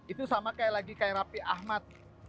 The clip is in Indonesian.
itu sama kayak lagi kayak rapi ahmad